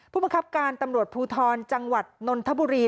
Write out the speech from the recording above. ผู้บังคับการตำรวจภูทรจังหวัดนนทบุรี